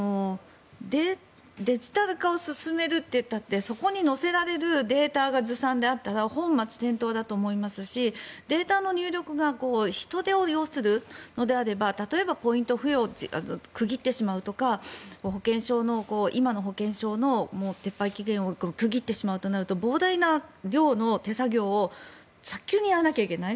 デジタル化を進めるといったってそこに乗せられるデータがずさんであったら本末転倒だと思いますしデータの入力が人手を要するのであれば例えばポイント付与を区切ってしまうとか今の保険証の撤廃期限を区切ってしまうとなると膨大な量の手作業を早急にやらないといけない。